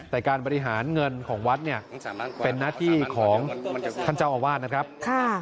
แต่การบริหารเงินของวัดเนี่ยเป็นหน้าที่ของท่านเจ้าอาวาสนะครับ